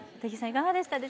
いかがでしたか？